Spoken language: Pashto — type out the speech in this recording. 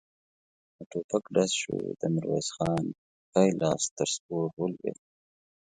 د ټوپک ډز شو، د ميرويس خان ښی لاس ته سپور ولوېد.